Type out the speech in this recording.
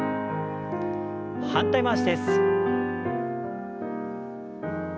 反対回しです。